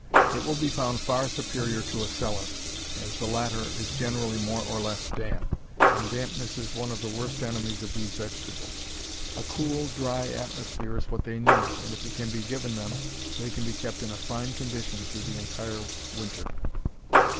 It will be found far superior to a cellar, as the latter is generally more or less damp, and dampness is one of the worst enemies of these vegetables. A cool, dry atmosphere is what they need, and if it can be given them they can be kept in fine condition throughout the entire winter.